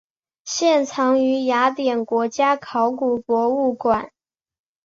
现藏于雅典国家考古博物馆。